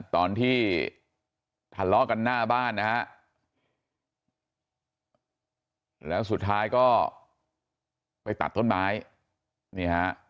ตอนที่ทะเลาะกันหน้าบ้านนะฮะแล้วสุดท้ายก็ไปตัดต้นไม้นี่ฮะ